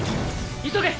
急げ！